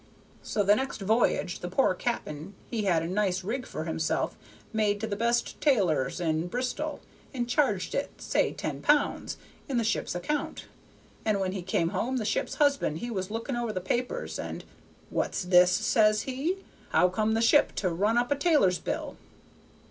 "So the next v'y'ge the poor cap'n he had a nice rig for himself made to the best tailor's in Bristol, and charged it, say ten pounds, in the ship's account; and when he came home the ship's husband he was looking over the papers, and 'What's this?' says he, 'how come the ship to run up a tailor's bill?'